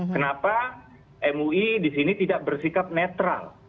kenapa mui di sini tidak bersikap netral